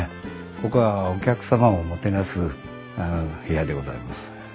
ここはお客様をもてなす部屋でございます。